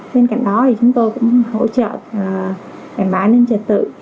bên cạnh đó thì chúng tôi cũng hỗ trợ bản bản nhân trật tự